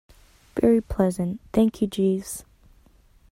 Very pleasant, thank you, Jeeves.